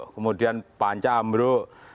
kemudian panca ambro